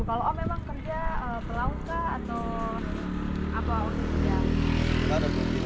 kalau om memang kerja pelauta atau apa orang itu